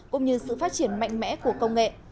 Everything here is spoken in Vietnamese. cũng như sự phát triển mạnh mẽ của công nghệ